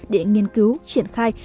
để nghiên cứu triển khai